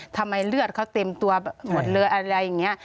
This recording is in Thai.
ทำไมเลือดเขาเต็มตัวหมดเลยอะไรอย่างนี้